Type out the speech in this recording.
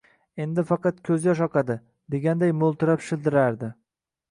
endi faqat ko’zyosh oqadi” deganday mo’ltirab shildirardi.